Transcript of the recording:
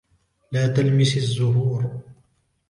لا تلمس الزهور.